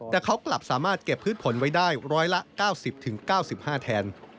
แต่เขากลับสามารถเก็บพืชผลไว้ได้ร้อยละ๙๐๙๕แทน